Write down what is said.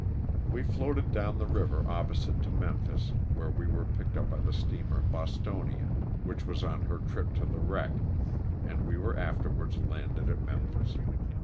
We floated down the river opposite to Memphis where we were picked up by the steamer "Bostonia," which was on her trip to the wreck, and we were afterwards landed at Memphis.